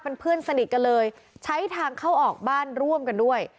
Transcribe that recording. เป็นเพื่อนสนิทกันเลยใช้ทางเข้าออกบ้านร่วมกันด้วย